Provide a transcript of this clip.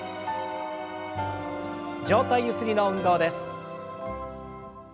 上体ゆすりの運動です。